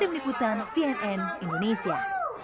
saya bersyukur terima kasih atas doanya mereka